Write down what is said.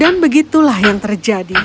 dan begitulah yang terjadi